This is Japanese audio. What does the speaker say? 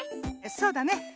そうだね。